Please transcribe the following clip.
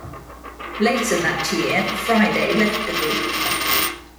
Later that year, Friday left the group.